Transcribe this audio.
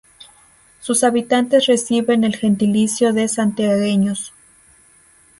Sus habitantes reciben el gentilicio de santiagueños.